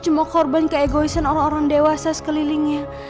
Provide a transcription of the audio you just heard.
cuma korban keegoisan orang orang dewasa sekelilingnya